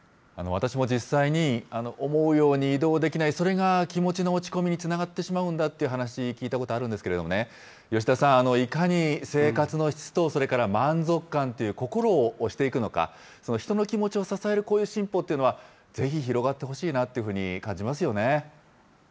私も実際に、思うように移動できない、それが気持ちの落ち込みにつながってしまうんだという話、聞いたことあるんですけれどもね、吉田さん、いかに生活の質と、それから満足感という心を押していくのか、人の気持ちを支えるこういう進歩というのは、ぜひ広がってほしいなっていうふうに感じますよ